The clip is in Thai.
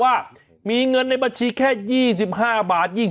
ว่ามีเงินในบัญชีแค่๒๕บาท